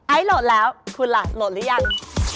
โหลดแล้วคุณล่ะโหลดหรือยัง